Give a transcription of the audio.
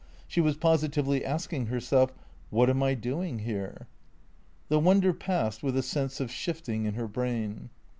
She was positively asking herself, " What am I do ing here ?" The wonder passed with a sense of shifting in her brain.